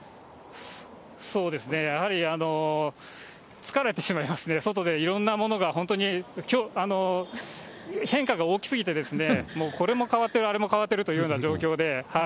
そうですね、やはり疲れてしまいますね、外でいろんなものが、本当に、変化が大きすぎて、これも変わってる、あれも変わってるというような状況で。